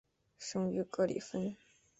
生于格里芬。